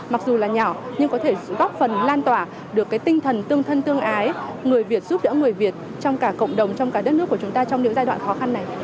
mặc dù là nhỏ nhưng có thể góp phần lan tỏa được cái tinh thần tương thân tương ái người việt giúp đỡ người việt trong cả cộng đồng trong cả đất nước của chúng ta trong những giai đoạn khó khăn này